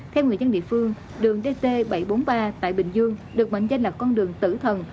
theo người dân địa phương đường dt bảy trăm bốn mươi ba tại bình dương được mệnh danh là con đường tử thần